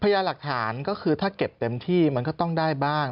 ยาหลักฐานก็คือถ้าเก็บเต็มที่มันก็ต้องได้บ้าง